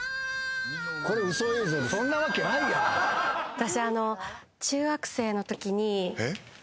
私。